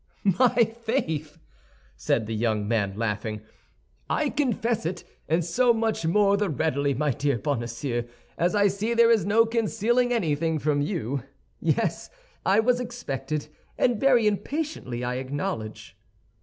"My faith!" said the young man, laughing, "I confess it, and so much more the readily, my dear Bonacieux, as I see there is no concealing anything from you. Yes, I was expected, and very impatiently, I acknowledge."